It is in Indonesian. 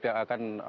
yang ada di luar